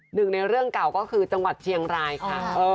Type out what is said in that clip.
หนึ่งในเรื่องเก่าก็คือจังหวัดเชียงรายค่ะ